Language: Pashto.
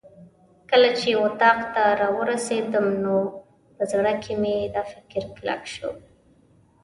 کله چې اتاق ته راورسېدم نو په زړه کې مې دا فکر کلک شو.